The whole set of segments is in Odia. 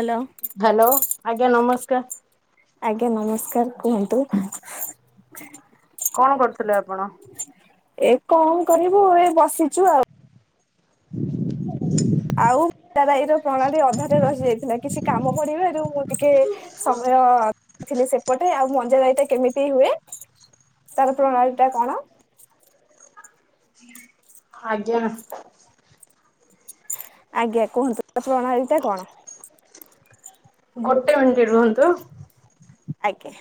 ହେଲୋ। ହାଲୋ ଆଜ୍ଞା ନମସ୍କାର। ଆଜ୍ଞା ନମସ୍କାର କୁହନ୍ତୁ। କଣ କରୁଥିଲେ ଆପଣ? ଏ କଣ କରିବୁ ଏ ବସିଛୁ ଆଉ। ଆଉ ପିତାରାଇ ର ପ୍ରଣାଳୀ ଅଧାରେ ରହିଯାଇଥିଲା କିଛି କାମ ପଡିବାରୁ ମୁଁ ଟିକେ ସମୟ ଥିଲି ସେପଟେ ଆଉ ମଞ୍ଜା ଗାଇଟା କେମିତି ହୁଏ ତାର ପ୍ରଣାଳୀ ଟା କଣ? ଆଜ୍ଞା। ଆଜ୍ଞା କୁହନ୍ତୁ ତ। ପ୍ରଣାଳୀ ଟା କଣ? ଗୋଟେ ମିନିଟ୍ ରୁହନ୍ତୁ। ଆଜ୍ଞା।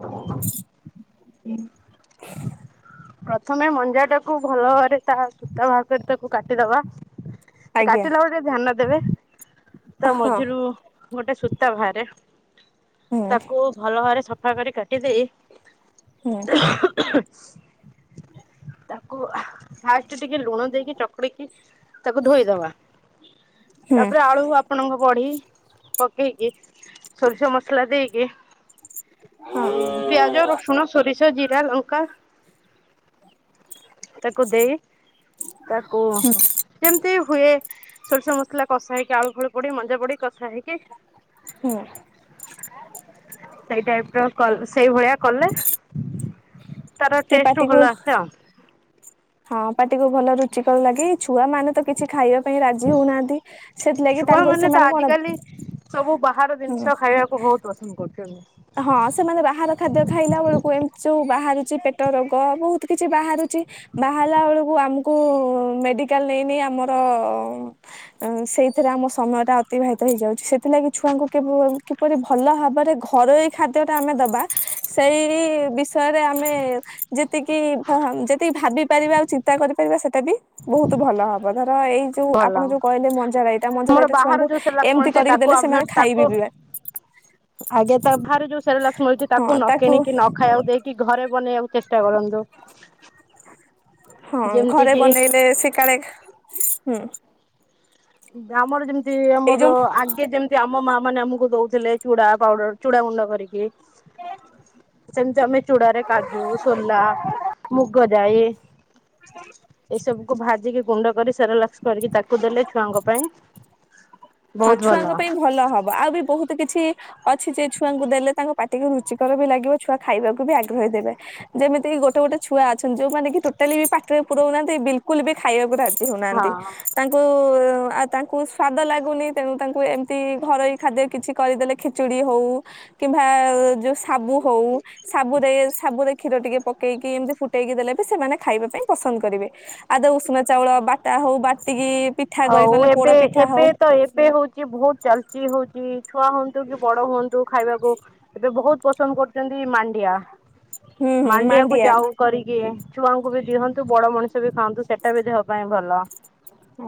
[inaudible] ପ୍ରଥମେ ମଞ୍ଜା ଟାକୁ ଭଲ ଭାବରେ ତା ସୂତା ବାହାର କରି ତାକୁ କାଟିଦବା। ଆଜ୍ଞା କାଟିଲା ବଳଳେ ଟିକେ ଧ୍ୟାନ ଦେବେ ତା ହଁ ମଝିରୁ- ଗୋଟେ ସୂତା ବାହାରେ। ହୁଁ ତାକୁ ଭଲ ଭାବରେ ସ ଭାବରେ କାଟି ଦେଇ। ହୁଁ। [inaudible] ତାକୁ ଫାଷ୍ଟ ଟିକେ ଲୁଣ ଦେଇକି ଚକୁଡ଼ି କି ତାକୁ ଧୋଇଦବା। ହୁଁ ତାପରେ ଆଳୁ ଆପଣଙ୍କ ବଢି଼। ପକେଇକି ସୋରିଷ ମସଲା ଦେଇକି ହଁ ଉଁ ପିଆଜ ରସୁଣ ସୋରିଷ ଜି [unintelligible] ତାକୁ ଦେଇ ତାକୁ ଯେମିତି ହୁଏ ସୋରିଷୋ ମସଲା କଷା ହେଇକି ଆଳୁ ହୁଳ ପଡ଼େ ମଞ୍ଜା ପଡ଼େ କଷା ହେଇକି ହୁଁ। ସେଇ ଟାଇପ ର କଲ ସେଇଭଳିଆ କଲେ ତାର ସେ ଟେଷ୍ଟରୁ ପାଟିକୁ ଭଲ ଆସେ ଆଉ। ହଁ ପାଟିକୁ ଭଲ ରୁଚିକର ଲାଗେ। ଏଇ ଛୁଆ ମାନେ ତ କିଛି ଖାଇବା ପାଇଁ ରାଜି ହଉନାହାନ୍ତି। ସେଥିଲାଗି ତାଙ୍କୁ ଛୁଆମାନେ ତ ସେମାନେ କଣ ଆଜିକାଲି ସବୁ ବାହାର ହୁଁ ଜିନିଷ ଖାଇବାକୁ ବହୁତ ପସନ୍ଦ କରୁଚନ୍ତି। ହଁ ସେମାନେ ବାହାର ଖାଦ୍ୟ ଖାଇଲା ବେଳକୁ ଏମିତି ଯୋଉ ବାହାରିଚି ପେଟ ରୋଗ ବହୁତ କିଛି ବାହାରୁଚି। ବାହାରିଲା ବେଳକୁ ଆମକୁ ମେଡିକାଲ ନେଇ ନେଇ ଆମର ସେଇଥିରେ ଆମ ସମୟ ଟା ଅତିବାହିତ ହେଇଯାଉଛି। ସେଥିଲାଗି ଛୁଆଙ୍କୁ କେବେ କିପରି ଭଲ ଭାବରେ ଘ- ଘରୋଇ ଖାଦ୍ୟ ଟା ଆମେ ଦବା ସେଇ ବିଷୟରେ ଆମେ ଯେତିକି ଯେତିକି ଭା- ଭାବି ପାରିବା ଆଉ ଚିନ୍ତା କରିପାରିବା ସେଇଟା ବି ବହୁତ ଭଲ ହବ। ଧର ର ଏଇ ଯୋଉ ଭଲ ଆପଣ ଯୋଉ କହିଲେ ମଞ୍ଜାରାଇଟା। ଆମର ମଞ୍ଜାରାଇଟା ବାହାରୁ ଛୁଆଙ୍କୁ ଯୋଉ ସେରେଲାକ୍ସ ଏମତି ମିଳୁଛି କରିକି ତାକୁ ଦେଲେ ଆଭଏଡ ସେମାନେ ଖାଇବେ ବି ବା। ତ ଭାହାରୁ ଯୋଉ ସେରେଲାକ୍ସ ମିଳୁଚି ତାକୁ ନ କିଣିକି ନ ଖାଇବାକୁ ଦେଇକି ଘରେ ବନେଇଆକୁ ଚେଷ୍ଟା କରନ୍ତୁ। ହଁ ଯେମିତି ଘରେ କି ବନେଇଲେ ସେ କାଳେ ହୁଁ। ଆମର ଯେମତି ତି ଏଇ ଆମର ଯୋଉ ଆଗେ ଯେମିତି ଆମ ମା ମାନେ ଆମକୁ ଦଉଥିଲେ ଚୁଡ଼ା ପାଉଡ଼ର ଚୁଡା ଗୁଣ୍ଡ କରିକି ସେମିତି ଆମେ ଚୂଡାରେ କାଜୁ, ସୋଲା, ମୁଗ ଜାଇ ଏସବୁକୁୁ ଭାଜିକି ଗୁଣ୍ଡ କରି ସେରେଲାକ୍ସ କରିକି ତା କୁ ଦେଲେ ଛୁଆଙ୍କ ପାଇଁ ହଁ ବହୁତ ଛୁଆଙ୍କ ଭଲ ପାଇଁ ଭଲ ହବ ଆଉ ବି ବହୁତ କିଛି ଅଛି ଯେ ଛୁଆଙ୍କୁ ଦେଲେ ତାଙ୍କ ପାଟିକୁ ରୁଚିକର ବି ଲାଗିବ ଛୁଆ ଖାଇବାକୁ ବି ଆଗ୍ରହୀ ଦେବେ। ଯେମିତିକି ଗୋଟେ ଗୋଟେ ଛୁଆ ଅଛନ୍ତି ଯୋଉମାନେ କି ଟୋଟାଲି ବି ପାଟିରେ ପୁରଉନାହାଁନ୍ତି ବିଲକୁଲ ବି ଖାଇବାକୁ ରା ଜି ହଁ ହଉନାହାଁନ୍ତି ତାଙ୍କୁ ଆଉ ତାଙ୍କୁ ସ୍ଵାଦ ଲାଗୁନି ତେଣୁ ତାଙ୍କୁ ଏମତି ଘରୋଇ ଖାଦ୍ୟ କିଛି କରିଦେଲେ ଖିଚିଡି ହଉ କିମ୍ଭା ଜୁସ ସାବୁ ହଉ ସାବୁରେ ସାବୁରେ କ୍ଷୀର ଟିକେ ପକେଇକି ଏମତି ଫୁଟେଇକି ଦେଲେ ବି ସେମାନେ ଖାଇବା ପାଇଁ ପସନ୍ଦ କରିବେ। ଆଦ ଉଷୁନା ଚାଉଳ ବାଟା ହଉ ବାଟିକି ପିଠା କରି ହଉ ନହେଲେ ପୋଡ ଏବେ ପିଠା ଏବେ ହଉ ତ ଏ ବେ ହଉଛି ବହୁତ ଚାଲୁଚି ହଉଛି ଛୁଆ ହୁଅନ୍ତୁ କି ବଡ ହୁଅ ନ୍ତୁ ଖାଇବାକୁ ଏବେ ବହୁତ ପସନ୍ଦ କରୁଚନ୍ତି ମାଣ୍ଡିଆ। ହୁଁ ହୁଁ ମାଣ୍ଡିଆ କୁ ଯାଉ କରିକି ଛୁଆଙ୍କୁ ବି ଦିଅନ୍ତୁ। ବଡ ମଣିଷ ଷ ବି ଖାଆନ୍ତୁ ସେଟା ବି ଦେହ ପାଇଁ ଭଲ।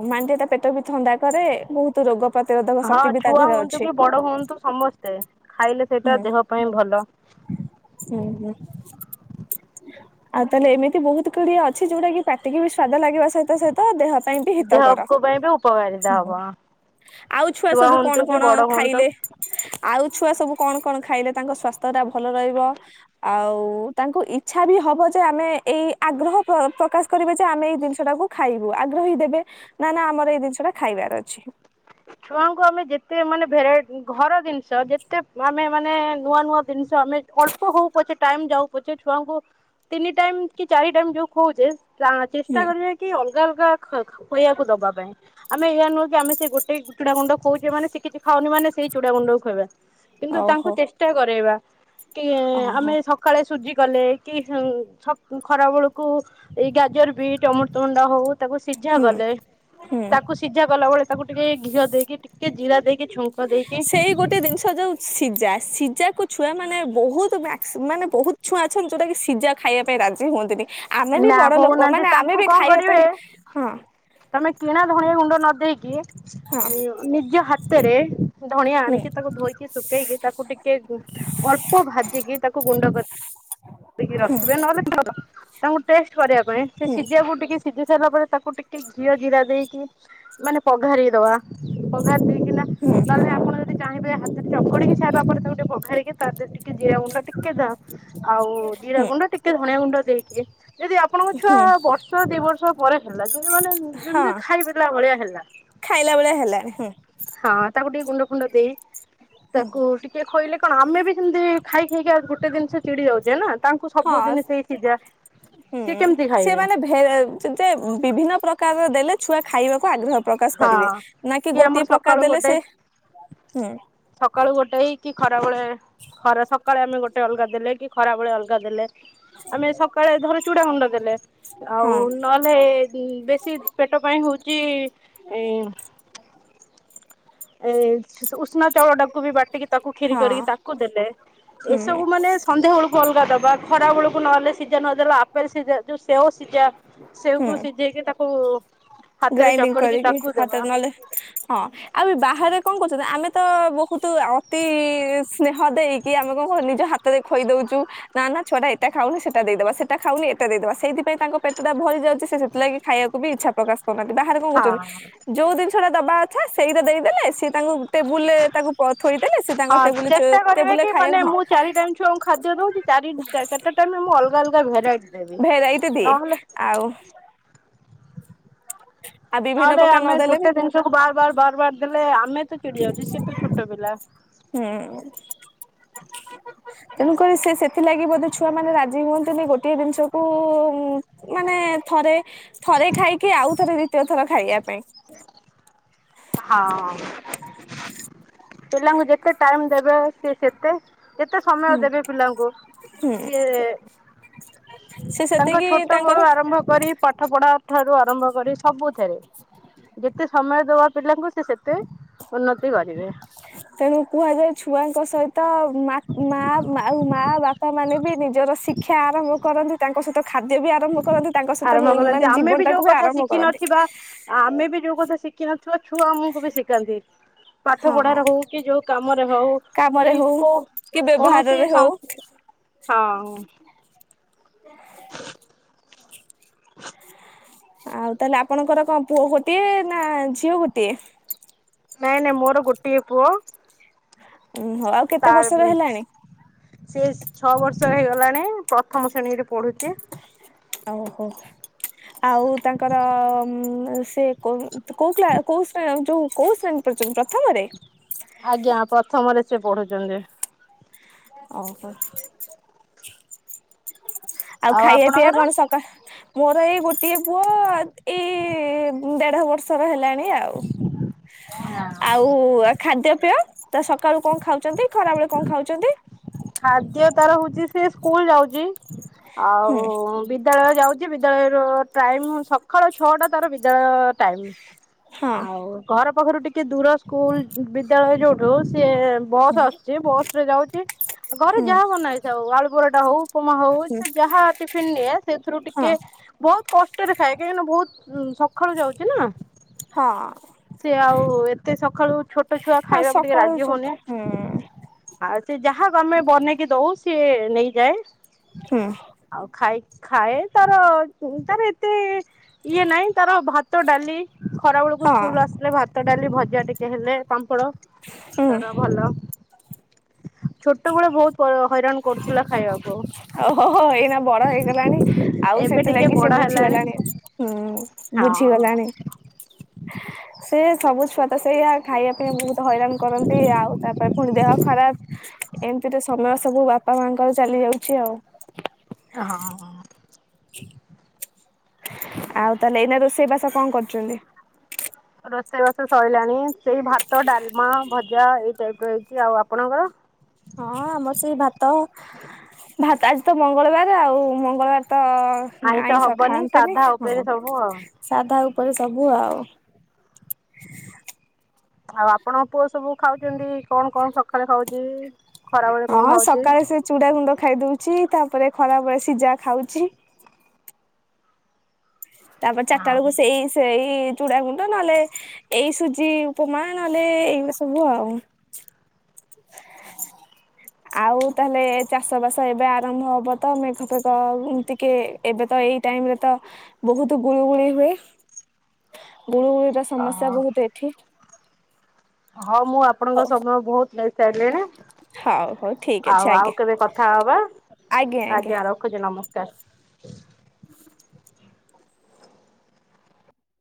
ମାଣ୍ଡିଆ ଟା ପେଟ ବି ଥଣ୍ଡାକରେ ବହୁତ ରୋଗ ପ୍ରତିରୋଧକ ହଁ ଶକ୍ତି ବି ତା ଛୁଆ ଦେହରେ ହୁଅନ୍ତୁ ଅଛି। କି ବଡ ହୁଅନ୍ତୁ ସମସ୍ତେ ସେ ଖାଇଲେ ସେଇଟା ଦେହ ପାଇଁ ଭଲ। ହୁଁ ହୁଁ ଆଉ ତାହେଲେ ଏମିତି ବହୁତ ଅଛି ଯୋଉଟା କି ପାଟିକି ବି ସ୍ଵାଦ ଲାଗିବା ସହିତ ସହିତ ଦେହ [unintelligible] ବି ହିତକର ଦେହକୁ ପାଇଁ ବି ଉପକାରିତା ହବ ଆଉ ଛୁଆ ସବୁ କଣ ହୁଅନ୍ତୁ କି କଣ ବଡ ହୁଅନ୍ତୁ ଖାଇଲେ ଆଉ, ଛୁଆ ସବୁ କଣ କଣ ଖାଇଲେ ତାଙ୍କ ସ୍ୱାସ୍ଥ୍ୟଟା ଭଲ ରହିବ। ଆଉ ତାଙ୍କୁ ଇଚ୍ଛା ବି ହବ ଯେ ଆମେ ଏଇ ଆଗ୍ରହ ପ୍ରକାଶ କରିବା ଯେ ଆମେ ଏଇ ଜିନିଷ ଟାକୁ ଖାଇବୁ ଆଗ୍ରହୀ ଦେବେ ନା ନା ଆମର ଏଇ ଜିନିଷ ଟା ଖାଇବାର ଅଛି ଛୁଆଙ୍କୁ ଆମେ ଯେତେ ମାନେ ଭେରାଇ ଘର ଜିନିଷ ଛୁଆଙ୍କୁ ଆମେ ଯେତେ ମାନେ ଭେରାଇଟ ଘର ଜିନିଷ ଯେତେ ମାନେ ମାନେ ନୂଆ ନୂଆ ଜିନିଷ ଆମେ ଅଳ୍ପ ହଉ ପଛେ ଟାଇମ ଯାଉ ପଛେ ଛୁଆଙ୍କୁ ତିନି ଟାଇମ କି ଚାରି ଟାଇମ୍ ଯୋ ଖୁଆଉଛେ ଚେଷ୍ଟା ହୁଁ କରିବେ କି ଅଲଗା ଅଲଗା ଖୋଇବାକୁ ଦବା ପାଇଁ ଆମେ ଏଇଆ ନୁହେଁ କି ଆମେ ସେ ଗୋଟେ ସେଇ ଚୁଡା ଗୁଣ୍ଡ ଖୁଅଉଛ ମାନେ ସେ କିଛି ଖାଉନି ମାନେ ସେଇ ଚୁଡା ଗୁଣ୍ଡକୁ ଖୁଆଇବା। କିନ୍ତୁ ତାଙ୍କୁ ଓହୋ ଚେଷ୍ଟା କରେଇବା। କି ଓହୋ ଆମେ ସକାଳେ ସୁଜି କଲେ କି ଖରାବେଳକୁ ଏଇ ଗାଜର ବିଟ ଅମ୍ରୁତ ଭଣ୍ଡା ହଉ ତାକୁ ସିଝା ହୁଁ କଲେ ହୁଁ। ତାକୁ ସିଝା କଲା ବଳେ [unintelligible] ଘିଅ ଦେଇକି ଟିକେ ଜିରା ଦେଇକି ଛୁଙ୍କ ଦେଇକି ସେଇ ଗୋଟେ ଜିନିଷ ଯୋଉ ସିଜା ସିଜା କୁ ଛୁଆ ମାନେ ବହୁତ ମ୍ୟାକ୍ସ ମାନେ ବହୁତ ଛୁଆ ଅଛନ୍ତି ଯୋଉଟା କି ସିଝା ଖାଇବା ପାଇଁ ରାଜି ହୁଅନ୍ତିନି। ଆମେ ବି ନା ବଡ ଲୋକ ହଉନାହାନ୍ତି ମାନେ ଆମେ ତାଙ୍କୁ ବି କଣ ଖାଇବା କରିବେ ପାଇଁ ହଁ ତମେ କିଣା ଧଣିଆ ଗୁଣ୍ଡ। ନ ହଁ ଦେଇେଇକି ନିଜ ହା ହାତରେ ଧଣିଆ ହୁଁ ଆଣିକି ତାକୁ ଧୋଇକି ଶୁଖେଇକି ତାକୁ ଟିକେ ଅଳ୍ପ ଭାଜିକି ତାକୁ ଗୁଣ୍ଡ କରି ହୁଁ ରଖିବେ ନହେଲେ ଭଲ ତାଙ୍କୁ ଟେ କରିବା ପାଇଁ ସେ ହୁଁ ସିଜିବାକୁ ଟିକେ ସିଝି ସାରିଲା ପରେ ତାକୁ ଟିକେ ଘିଅ ଜିରା ଦେଇକି ମାନେ, ଵଘାରିଦଵା। ପଘାର ହୁଁ ଚାହିଁବେ ହାତରେ ଚକୁଡିକିଖାଇବା ପରେ ତାକୁ ଗୋେ ବାରିକି ତା ଦେରେ ଟିକେ ଜିରା ଗୁଣ୍ଡ ଟିକେ ଦଅ। ଆଉ ଜିରା ହୁଁ ଗୁଣ୍ଡ ଟିକେ ଧଣିଆ ଗୁଣ୍ଡ ଦେଇକି ଯଦି ଆପଣଙ୍କ ଛୁଆ ହୁଁ ବର୍ଷ ଦି ବର୍ଷ ପରେ ହେଲା ଯେତି ମାନେ ହଁ ଯେମିତି ଖାଇ ପିଲା ଭଳିଆ ହେଲା ଖାଇଲା ଭଳିଆ ହେଲାଣି ହୁଁ ହଁ ତାକୁ ଟିକେ ଗୁଣ୍ଡ ଫୁଣ୍ଡ ଦେଇ । ହୁଁ ତାକୁ ଟିକେ ଖୋଇଲେ କଣ ଆମେ ବି ସେମିତି ଖାଇ ଖାଇକି ଗୋଟେ ଦିନ ସେ ଚିଡି ଯାଉଛେ ନା । ତାଙ୍କୁ ସବୁ ହଁ ଜିନିଷ ସେଇ ସିଝା ହୁଁ ସିଏ କେମିତି ଖାଇବେ ସେମାନେ ଭେଜ୍ ଯେ ବିଭିନ୍ନ ପ୍ରକାର ଦେଲେ ଛୁଆ ଖାଇବାକୁ ଆଗ୍ରହ ପ୍ରକାଶ ହଁ କରିବେ ନା କିି କି ଆମର ଗୋଟିଏ ସକାଳୁ ପ୍ରକାର ଦେଲେ ଗୋଟେ ସେ ହୁଁ। ସକାଳୁ ଗୋଟେ କି ଖ ଟା ବଳେ ଖରେ ସକାଳେ ଆମେ ଗୋଟେ ଅଲଗା ଦେଲେ କି ଖରାବେଳେ ଅଲଗା ଦେଲେ । ଆମେ ସକାଳେ ଧର ଚୂଡ଼ା ଗୁଣ୍ଡ ଦେଲେ ଆଉ ହଁ ନହେଲେ ବେଶୀ ପେଟ ପାଇଁ ହଉଛି ଏ ଏ ଉଷୁନା ଚାଉଳଟାକୁ ବି ବାଟିକି ତାକୁ କ୍ଷୀରି ହଁ କରିକି ତାକୁ ଦେଲେ । ହୁଁ ଏସବୁ ମାନେ ସନ୍ଧ୍ୟା ବେଳକୁ ଅଲଗା ଦବା ଖରା ବେଳକୁ ନହେଲେ ସିଝା ନଦଲେ ଆପେଲ ସିଝା ଜୋ ସେଓ ସିଝା ହୁଁ ସେଓକୁ ସିଝେଇକି ତାକୁ ହାତରେ ଗ୍ରାଇଣ୍ଡିଙ୍ଗ ଚକଡିକି କରିକି ତାକୁ ଦେବା। ବାହରେ କଣ କରୁଛନ୍ତି ଆମେ ତ ବହୁତ ଅତି ସ୍ନେହ ଦେଇକି ଆମେ କଣ ନିଜ ହାତରେ ଖୋଇଦଉଛୁ ନା ନା ଛୁଆଟା ଏଟା ଖାଉନି ସେଇଟା ଦେଇଦବା ସେଇଟା ଖାଉନି ଏଇଟା ଦେଇଦବା ସେଇଥିପାଇଁ ତାଙ୍କ ପେଟ ଟା ଭରି ଯାଉଛି। ସେଥିଲାଗି ଖାଇବାକୁ ବି ଇଚ୍ଛା ପ୍ରକାଶ କରୁନାହାନ୍ତି ବାହାରେ କଣ କରୁଛନ୍ତି ହଁ ଯୋଉ ଜିନିଷଟାଦବା ଆଚଛା ସେଇଟା ଦେଇଦେଲେ ସିଏ ତାଙ୍କୁ ତାକୁ ପ ଥୋଇଦେଲେ ସେ ତାଙ୍କ ହଁ ଟେବୁଲ ଚ ଚେଷ୍ଟା କରିବେ ଟେବୁଲରେ କି ମାନେ ଖାଇବାକୁ ହଁ ମୁଁ ଚାରି ଟାଇମ ଛୁଆଙ୍କୁ ଖାଦ୍ୟ ଦଉଛି ଚାରି ଚାରିଟା ଟାଇ ମୁଁ ଅଲଗା ଅଲଗା ଭେରାଇଟି ଦେବି। ଭେରାଇଟି ଦିଏ ନହେଲେ ଆଉ [unintelligible] ନହେଲେ ପ୍ରକାର ଆମେ ନଦେଲେ ବି ଗୋଟେ ଜିନିଷକୁ ବାର ବାର ବାର ବାର ଦେଲେ ଆମେ ତ ଚିଡି ଯାଉଛେ ସିଏ ତ ଛୋଟ ପିଲା । ହୁଁ ତେଣୁକରି ସେ ସେଥିଲାଗି ବୋଧେ ଛୁଆ ମାନେ ରାଜି ହୁଅନ୍ତିନି ଗୋଟିଏ ଜିନିଷକୁ ମାନେ ଥରେ ଥରେ ଖାଇକି ଆଉ ଥରେ ଦ୍ଵିତୀୟ ଥର ଖାଇବା ପାଇଁ ହଁ। ପିଲାଙ୍କୁ ଯେତେ ଟାଇମ ଦେବେ ସିଏ ସେତେ ଯେତେ ସମୟ ଦେବେ ପିଲାଙ୍କୁ ହୁଁ ସିଏ ସେ ତାଙ୍କ ସେତିକି ଛୋଟ ବେଳୁ ତାଙ୍କର ଆରମ୍ଭ କରି ପାଠ ପଢା ଠାରୁ ଆରମ୍ଭ କରି ସବୁଥିରେ ଯେତେ ସମୟ ପିଲଙ୍କୁ ସେ ସେତେ ଉନ୍ନତି କରିବେ। ତେଣୁ କୁହାଯାଏ ଛୁଆଙ୍କ ସହିତ ତ ମା ଆଉ ମା ବାପା ମାନେ ବି ନିଜର ଶିକ୍ଷା ଆରମ୍ଭ କରନ୍ତି ତାଙ୍କ ସହିତ ଖାଦ୍ୟ ବି ଆରମ୍ଭ କରନ୍ତି ତାଙ୍କ ସହିତ ଆରମ୍ଭ ମାନେ କରନ୍ତି ଆମେ ଜୀବନ ବି ଯୋଉ ଟାକୁ କଥା ଆରମ୍ଭ କରନ୍ତି ଶିଖିିନଥିବା ଆମେ ବି ଯୋଉ କଥା ଶିଖ କେ ଛୁଆ ଛୁଆ ଆମକୁ ବି ଶିଖାନ୍ତି ପାଠ ହଁ ପଢାରେ ହଉ କି ଯୋଉ କାମରେ ହଉ କାମରେ କି ହଉ କୋଉ କି କୌଣସି ବ୍ୟବହାରରେ ହଉ ହଁ । ଆଉ ତାହେଲେ ଆପଣଙ୍କର କଣ ପୁଅ ଗୋଟିଏ ନା ଝିଅ ଗୋଟିଏ । ନାଇଁ ନାଇଁ ମୋର ଗୋଟିଏ ପୁଅ । ଉହୋ ଆଉ କେତେ ବର୍ଷର ହେଲାଣି? ସେ ଛଅ ବର୍ଷ ହେଇଗଲାଣି ପ୍ରଥମ ଶ୍ରେଣୀରେ ପଢୁଚି । ଓହୋ ଆଉ ତାଙ୍କର ସେ କୋଉ କୋଉ କ୍ଲା କୋଉ ଯୋଉ କୋଉ ଶ୍ରେଣୀ ପଢୁଛନ୍ତି ପ୍ରଥମରେ । ଆଜ୍ଞା ପ୍ରଥମରେ ସେ ପଢୁଛନ୍ତି । ଆ ଓହୋ ଆଉ ଖାଇବା ପିଇବା କଣ ସକାଳ ମୋର ଏଇ ଗୋଟିଏ ପୁଅ ଏଇ ଦେଢ ବର୍ଷର ହେଲାଣି । ଆଉ ଆଉ ଖାଦ୍ୟ ପେୟ । ତା ସକାଳୁ କଣ ଖାଉଛନ୍ତି ଖରା ବେଳେ କଣ ଖାଉଛନ୍ତି । ଖାଦ୍ୟ ତାର ହଉଛି ସେ ସ୍କୁଲ ଯାଉଛି । ହୁଁ ଆଉ ବିଦ୍ୟାଳୟ ଯାଉଛି ବି ବିଦ୍ୟାଳୟର ଟାଇମ ସକାଳ ଛଅଟା ତାର ବିଦ୍ୟାଳୟ ହଁ ଟାଇମ ଆଉ ଘର ପାଖରୁ ଟିକେ ଦୂର ସ୍କୁଲ ବିଦ୍ୟାଳୟ ଯୋଉଠୁ ସିଏ ହୁଁ ବସ୍ ଆସୁଛି ବସରେ ଯାଉଛି । ଘରେ ଯାହା ହୁଁ ବନାହେଇଥାଉ ଆଳୁ ବର ଟା ହୋଉ। ଉପମା ହୋ ଉ ସେ ଯାହା ଟିଫିନ୍ ନିଏ ସେଥିରୁ ହଁ ଟିକେ ବହୁତ୍ କଷ୍ଟ ରେ ଖାଏ । କାହିଁକିନା ବୋହୁତ୍ ସଖାଳୁ ଯାଉଚି ନା ହଁ ସେ ଆଉ ଏତେ ସଖାଳୁ ଛୋଟ ଛୁଆ ଆଉ ଖାଇବାକୁ ଟିକେ ସକାଳୁ ରାଜି ଛୋଟ ହେଉନି ହୁଁ ଆ ଯାହାକୁ ଆମେ ବନେଇକି ଦଉ ସିଏ ନେଇଯାଏ । ହୁଁ ଆଉ ଖାଇ ଖାଏ ତାର ତାର ଏତେ ଇଏ ନାଇଁ ତାର ଭାତ ଡାଲି ଖରା ବେଳକୁ ହଁ ସ୍କୁଲୁ ଆସିଲେ ଭାତ ଡାଲି ଭଜା ଟିକେ ହେଲେ ପାମ୍ପଡ଼ ହୁଁ ତାର ଭଲ । ଛୋଟବେଳେ ବହୁତ୍ ଓ ହୋ ହୋ ଏଇନା ବଡ ହେଇ ଗଲାଣି ଆଉ ଏବେ ଟିକେ ସେଥିଲାଗି ସେ ବଡ ବୁଝି ହେଲାଣି ଗଲାଣି ହୁଁ ବୁଝି ହଁ। ଗଲାଣି ସେ ସବୁ ଛୁଆ ତ ସେଇଆ ଖାଇବା ପାଇଁ ବହୁତ୍ ହଇରାନ୍ କରନ୍ତି ।ଆଉ ତାପରେ ପୁଣି ଦେହ ଖରାପ୍ ଏମ୍ ତୀ ଟେ ସମୟ ସ ସବୁ ବାପା ମାଙ୍କର ଚାଲି ଯାଉଛି ଆଉ ହଁ ହଁ ପ ଆଉ ତାହେଲେ ଏଇନା ରୋଷେଇ ବାସ କଣ କରୁଛନ୍ତି? ରୋଷେଇବାସ ସରିଲାଣି ସେଇ ଭାତ, ଡ଼ାଲମା, ଭଜା ଏଇ ଟାଇପ୍ ର ହେଇଚି ଆଉ ଆପଣଙ୍କର? ହଁ ଆମର ସେଇ ଭାତ ଭାତ ଆଜି ତ ମଙ୍ଗଳବାର ଆଉ ମଙ୍ଗଳବାର ତ ଆଇଁଷ ହବନି ଖାଆନ୍ତିନି ସାଧା ହଁ ଉପରେ ସବୁ ଆଉ। ସାଧା ଉପରେ ସବୁ ଆଉ ଆଉ ଆପଣଙ୍କ ପୁଅ ସବୁ ଖାଉଛନ୍ତି କଣ କଣ ସକାଳେ ଖାଉଛି? ଖରାବେଳେ କଣ ହଁ ଖାଉଛି? ସକାଳେ ସେ ଚୁଡା ଗୁଣ୍ଡ ଖାଇ ଦଉଛି ତାପରେ ଖରା ବେଳେ ସିଯା ଖାଉଛି ହୁଁ ତାପରେ ଚାରିଟା ବେଳକୁ ସେଇ ସେଇ ସେଇ ଚୁଡ଼ାଗୁଣ୍ଡ ନହେଲେ ଏଇ ସୁଜି ଉପମା ନହେଲେ ଏଗୁଡା ସବୁ ଆଉ ଆଉ ତାହେଲେ ଚାଷ ବାସ ଏବେ ଆରମ୍ଭ ହବ ତ ମେଘ ପବ ଆଉ ଏମ୍ ତେ କେ ଏବେ ତ ଏଇ ଟାଇମ୍ ରେ ତ ବହୁତ୍ ଗୁଳୁ ଗୁଳି ହୁଏ । ଗୁଳୁଗୁଳିର ସମସ୍ୟା ହଁ ବହୁତ ଏଠି ହଁ ମୁଁ ଆପଣଙ୍କ ହଉ ସମୟ ବହୁତ୍ ହେଲ୍ପ୍ ଚାଲେନା ହଉ ହଉ ଠିକ ଅଛି ଆଉ ଆଜ୍ଞା ଆଉ କେବେ କଥା ହବା ଆଜ୍ଞା ରଖୁଛି ନ ମୁ କ୍ୟାସ୍ [inaudible]